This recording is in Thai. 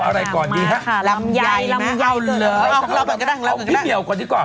เอาก็ได้เอาฟิมีแล้วก่อนดีกว่า